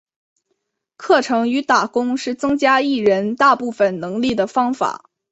课程与打工是增加艺人大部分能力的方法。